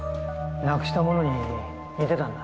なくしたものに似てたんだ。